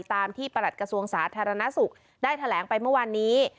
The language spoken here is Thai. ตามที่ประหลัดกระทรวงสาธารณสุขได้แถลงไปเมื่อวานนี้